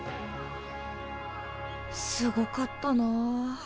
すごかったなあ。